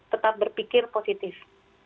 tetap berpikir positif